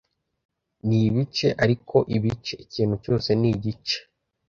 Nibice ariko ibice, ikintu cyose nigice.